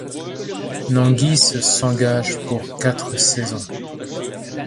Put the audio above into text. Nangis s'engage pour quatre saisons.